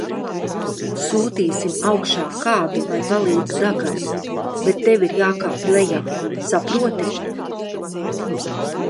Sūtīsim augšā kādu, lai palīdz Dagam, bet tev irjākāpj lejā, saproti?